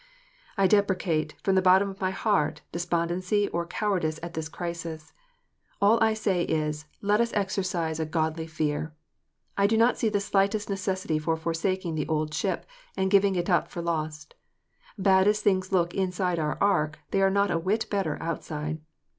I deprecate, from the bottom of my heart, despondency or cowardice at this crisis. All I say is, let us exercise a godly fear. I do not see the slightest necessity for forsaking the old ship, and giving it up for lost. Bad as things look inside our ark, they are not a whit better outside.